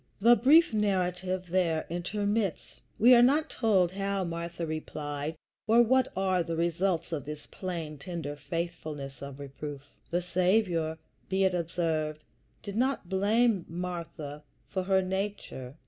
The brief narrative there intermits; we are not told how Martha replied, or what are the results of this plain, tender faithfulness of reproof. The Saviour, be it observed, did not blame Martha for her nature.